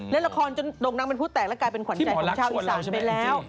เล่นละครจนโด่งดังเป็นผู้แตกและกลายเป็นขวัญใจของชาวอีสานไปแล้ว